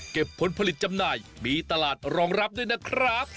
ผลผลิตจำหน่ายมีตลาดรองรับด้วยนะครับ